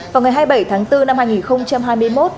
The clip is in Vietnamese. vào ngày hai mươi bảy tháng bốn năm hai nghìn hai mươi một